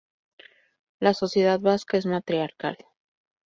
La sociedad vasca es matriarcal.